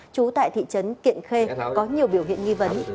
trú tại thị trấn kiện khê có nhiều biểu hiện nghi vấn